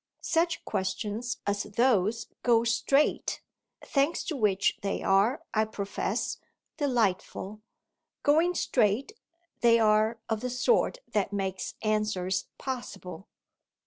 Such questions as those go straight thanks to which they are, I profess, delightful; going straight they are of the sort that makes answers possible.